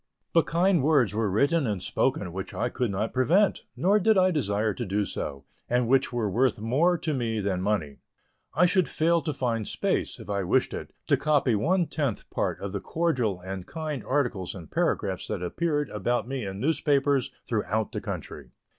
But kind words were written and spoken which I could not prevent, nor did I desire to do so, and which were worth more to me than money. I should fail to find space, if I wished it, to copy one tenth part of the cordial and kind articles and paragraphs that appeared about me in newspapers throughout the country.